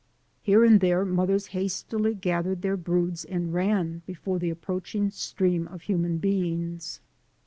Here and there mothers hastily gathered their broods and ran before the approaching stream of human beings.